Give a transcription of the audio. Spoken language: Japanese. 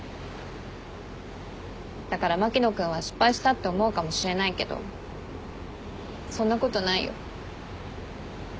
だから牧野君は失敗したって思うかもしれないけどそんなことないよ。